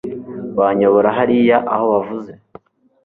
Wanyobora hariya aho wavuze